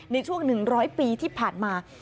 ในช่วง๑๐๐ปีที่ผ่านมา